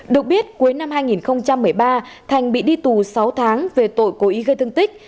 được biết cuối năm hai nghìn một mươi ba thành bị đi tù sáu tháng về tội cố ý gây thương tích